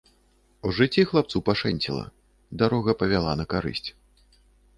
У жыцці хлапцу пашэнціла, дарога павяла на карысць.